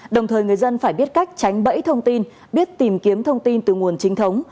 đồng thời người dân phải biết cách tránh bẫy thông tin biết tìm kiếm thông tin từ nguồn trinh thống